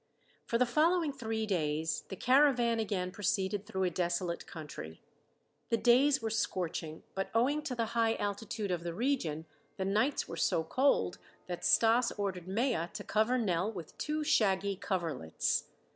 For the following three days the caravan again proceeded through a desolate country. The days were scorching, but, owing to the high altitude of the region, the nights were so cold that Stas ordered Mea to cover Nell with two shaggy coverlets.